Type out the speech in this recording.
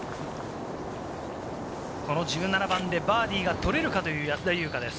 この１７番でバーディーが取れるかという安田祐香です。